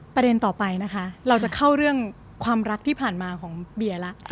ประเด็นต่อไปนะคะเราจะเข้าเรื่องความรักที่ผ่านมาของเบียร์แล้ว